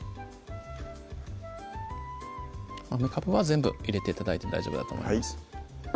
めかぶは全部入れて頂いて大丈夫だと思います